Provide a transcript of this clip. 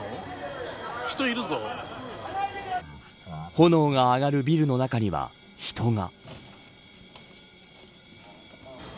炎が上がるビルの中には人が。